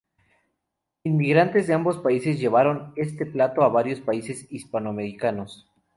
Inmigrantes de ambos países llevaron este plato a varios países hispanoamericanos.